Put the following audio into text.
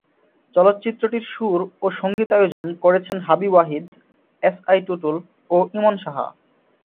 চলচ্চিত্রটির সুর ও সঙ্গীতায়োজন করেছেন হাবিব ওয়াহিদ, এস আই টুটুল ও ইমন সাহা।